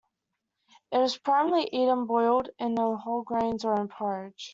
It is primarily eaten boiled in whole grains or in porridge.